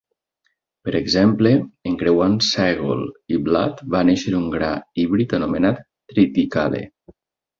Per exemple, encreuant sègol i blat va néixer un gra híbrid anomenat 'triticale'.